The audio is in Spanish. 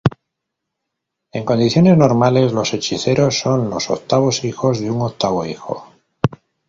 En condiciones normales los hechiceros son los octavos hijos de un octavo hijo.